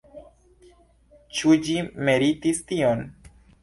Ĉu ĝi meritis tion?